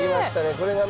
これがね